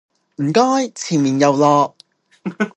唔該前面有落